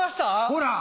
ほら！